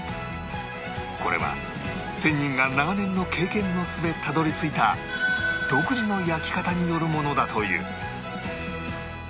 これは仙人が長年の経験の末たどり着いた独自の焼き方によるものだという